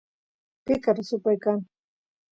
picaru supay kan